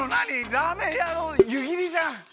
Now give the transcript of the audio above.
ラーメンやのゆぎりじゃん。